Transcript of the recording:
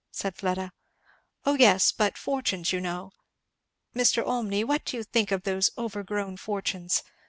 said Fleda. "O yes, but such fortunes you know. Mr. Olmney, what do you think of those overgrown fortunes?